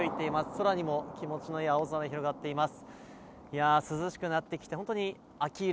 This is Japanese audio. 空も気持ちの良い青空が広がっています。